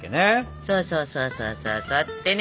そうそうそうそうそうそうってね！